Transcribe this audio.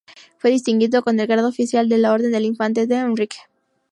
Fue distinguido con el grado Oficial de la Orden del Infante D. Henrique.